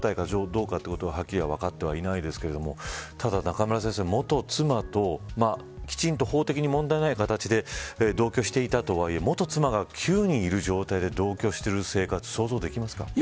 法的な重婚状態かははっきり分ってはいないですけどただ、中村先生、元妻ときちんと法的に問題ない形で同居していたとはいえ元妻が９人いる状態で同居してる状態想像できますか。